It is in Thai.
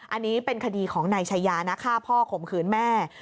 อันนี้เป็นคดีของนายชายานะฆ่าพ่อข่มขืนแม่